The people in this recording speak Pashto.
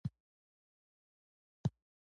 انجينر حميدالله د ننګرهار پوهنتون څخه فارغ شوى.